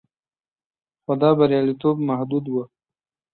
خو دا بریالیتوب محدود و